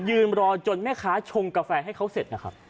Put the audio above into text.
ยืนรอจนแม่ค้าชงกาแฟให้เขาเสร็จนะครับ